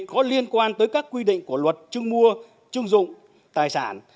có liên quan tới các quy định của luật chứng mua chứng dụng tài sản